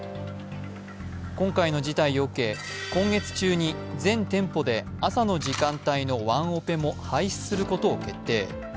今回の事態を受け今月中に全店舗で朝の時間帯のワンオペも廃止することを決定。